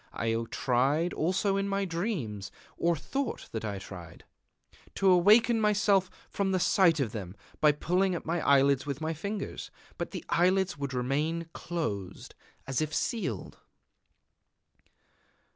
I tried also in my dreams or thought that I tried to awaken myself from the sight of them by pulling at my eyelids with my fingers; but the eyelids would remain closed, as if sealed....